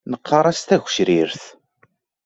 Neqqar-as tagecrirt.